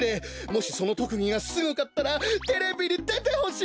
もしそのとくぎがすごかったらテレビにでてほしい！